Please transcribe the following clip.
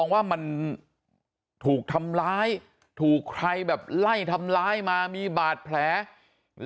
ว่ามันถูกทำร้ายถูกใครแบบไล่ทำร้ายมามีบาดแผล